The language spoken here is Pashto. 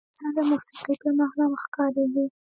پسه د موسیقۍ پر مهال هم ښکارېږي.